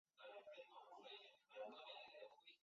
曾在四川长寿县任知县。